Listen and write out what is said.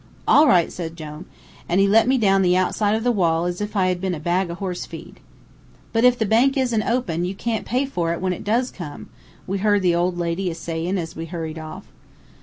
"'All right,' says Jone; an' he let me down the outside of the wall as if I had been a bag o' horse feed. "'But if the bank isn't open you can't pay for it when it does come,' we heard the old lady a sayin' as we hurried off.